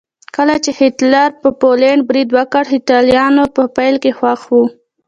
کله چې هېټلر په پولنډ برید وکړ پولنډیان په پیل کې خوښ وو